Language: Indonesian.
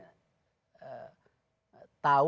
jangan saja paham sendiri dan serius